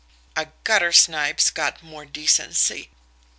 A guttersnipe's got more decency!